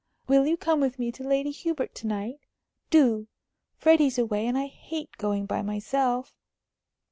Will you come with me to Lady Hubert to night? Do! Freddie's away, and I hate going by myself."